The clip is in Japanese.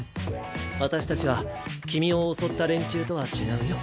私たちは君を襲った連中とは違うよ。